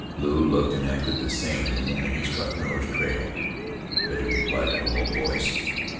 "Lew looked and acted the same the morning he struck Miller's trail," Betty replied in a low voice.